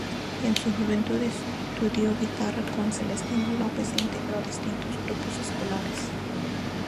En su juventud estudió guitarra con Celestino López e integró distintos grupos escolares.